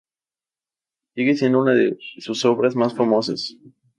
Sigue siendo una de sus obras más famosas.